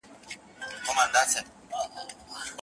تسلیم کړي یې خانان او جنرالان وه